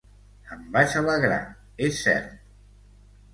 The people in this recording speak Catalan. Em vaig alegrar, és cert.